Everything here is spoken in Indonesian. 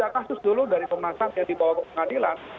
tiga kasus dulu dari pemasaran yang dibawa ke pengadilan